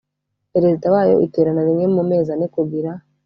perezida wayo iterana rimwe mu mezi ane kugira